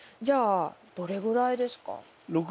じゃあどれぐらいですか？